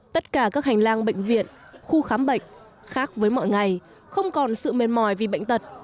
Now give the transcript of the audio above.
tất cả các hành lang bệnh viện khu khám bệnh khác với mọi ngày không còn sự mệt mỏi vì bệnh tật